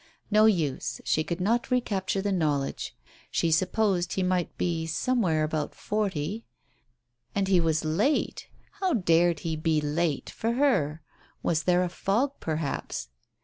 ... No use, she could not recapture the knowledge. She supposed he might be somewhere about forty ? And he was late ! How dared he be late, for her ? Was there a fog perhaps